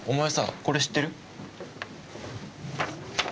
これ知ってる？